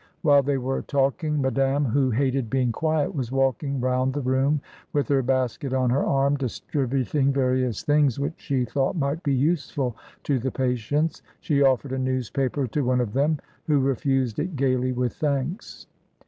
AVhile they were talking, Madame, who hated being quiet, was walking round the room with her basket on her arm, distributing various things which she thought might be useful to the patients. She offered a newspaper to one of them, who refused it gaily with thanks.